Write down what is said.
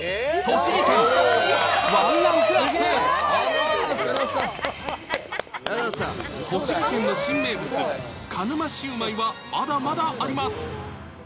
栃木県の新名物、鹿沼シウマイはまだまだあります。